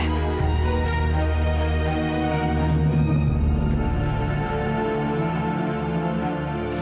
sampai jumpa lagi